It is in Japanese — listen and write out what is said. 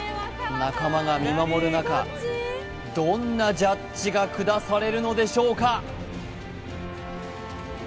仲間が見守る中どんなジャッジが下されるのでしょうか？